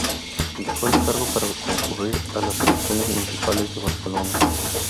Dejó el cargo para concurrir a las elecciones municipales de Barcelona.